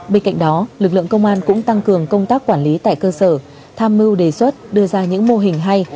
bên cạnh đó lực lượng công an cũng tăng cường công tác quản lý tại cơ sở tham mưu đề xuất đưa ra những mô hình hay